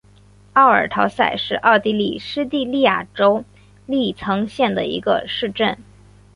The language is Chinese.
阿尔陶塞是奥地利施蒂利亚州利岑县的一个市镇。